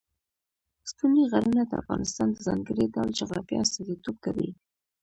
ستوني غرونه د افغانستان د ځانګړي ډول جغرافیه استازیتوب کوي.